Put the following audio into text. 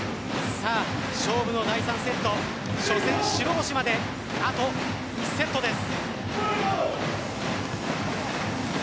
勝負の第３セット初戦白星まであと１セットです。